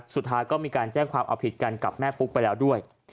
สุดท้ายก็มีการแจ้งความเอาผิดกันกับแม่ปุ๊กไปแล้วด้วย